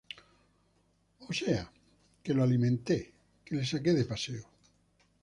o sea, que lo alimente, que le saque de paseo.